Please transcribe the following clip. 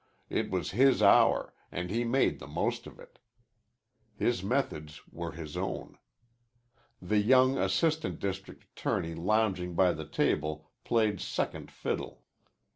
It was his hour, and he made the most of it. His methods were his own. The young assistant district attorney lounging by the table played second fiddle.